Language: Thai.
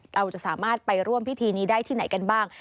เราจะสามารถไปร่วมพิธีนี้ได้ที่ไหนกันบ้าง